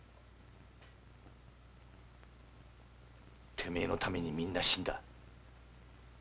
てめえのためにみんな死んだ。